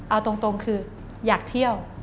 เอาตรงคืออยากเที่ยว